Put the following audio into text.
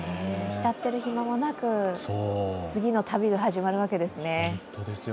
ひたっている暇もなく、次の旅が始まるわけですね。